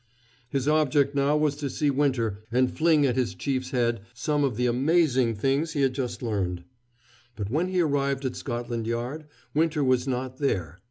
His object now was to see Winter and fling at his chief's head some of the amazing things he had just learned. But when he arrived at Scotland Yard, Winter was not there.